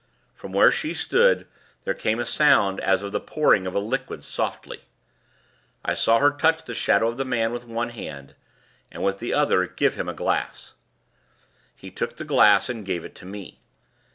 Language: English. From where she stood, there came a sound as of the pouring of a liquid softly. I saw her touch the shadow of the man with one hand, and with the other give him a glass. He took the glass, and gave it to me.